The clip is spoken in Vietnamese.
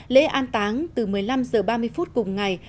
lễ an táng từ một mươi năm h ba mươi phút cùng ngày